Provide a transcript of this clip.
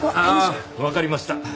ああわかりました。